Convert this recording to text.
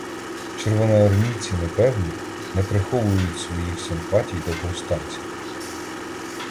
Червоноармійці не певні, не приховують своїх симпатій до повстанців.